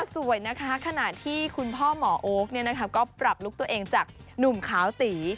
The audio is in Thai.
สวยนะคะขณะที่คุณพ่อหมอโอ๊คก็ปรับลุคตัวเองจากหนุ่มขาวตี